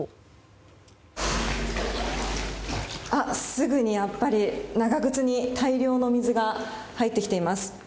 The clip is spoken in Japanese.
すぐに長靴に大量の水が入ってきています。